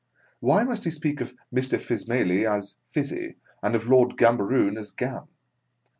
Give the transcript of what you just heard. Why must he speak of Mr. Fizmaili as " Fizzy," and of Lord Gambaroon as "Gam"?